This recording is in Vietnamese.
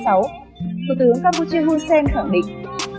thủ tướng campuchia hun sen khẳng định